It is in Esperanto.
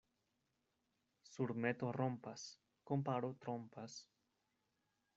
Surmeto rompas, komparo trompas.